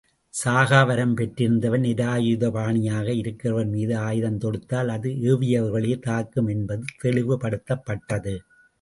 சாகாவரம் பெற்றிருந்தவன் நிராயுத பாணியாக இருக்கிறவர் மீது ஆயுதம் தொடுத்தால் அது ஏவியவர்களையே தாக்கும் என்பது தெளிவுபடுத்தப்பட்டது.